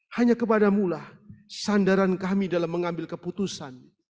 hanya kepada mu lah sandaran kami dalam mengambil keputusan